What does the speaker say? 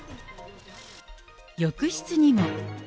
浴室にも。